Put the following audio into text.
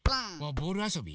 ボールあそび？